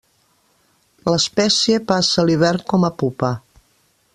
L'espècie passa l'hivern com a pupa.